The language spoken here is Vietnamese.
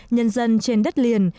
nhân dân trên đất liền